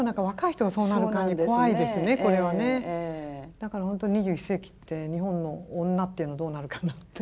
だから本当２１世紀って日本の女っていうのはどうなるかなって。